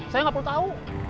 saya gak perlu tau